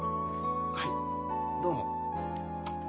はいどうも。